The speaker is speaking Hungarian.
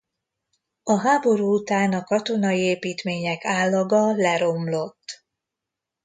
A háború után a katonai építmények állaga leromlott.